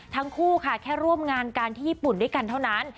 ทั้งคู่ค่ะแค่ร่วมงานกันที่ญี่ปุ่นด้วยกันเท่านั้น